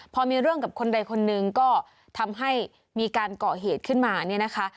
พอมีเรื่องกับคนใดคนหนึ่งก็ทำให้มีการเกาะเหตุขึ้นมาเนี่ยนะคะ